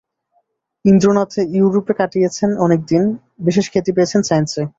ইন্দ্রনাথ য়ুরোপে কাটিয়েছেন অনেক দিন, বিশেষ খ্যাতি পেয়েছেন সায়ান্সে।